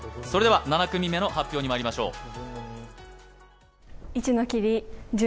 それでは７組目の発表にまいりましょう。